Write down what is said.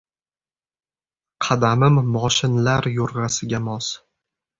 Qadamim moshinlar yo’rg’asiga mos.